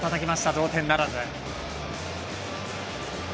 同点ならず。